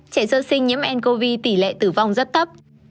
trẻ sơ sinh nhiễm ncov tỷ lệ tử vong rất thấp